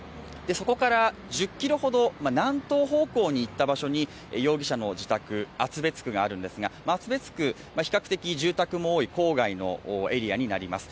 そこから１０ｋｍほど南東方向に行った場所に容疑者の自宅、厚別区があるんですが厚別区、比較的、住宅も多い郊外のエリアになります。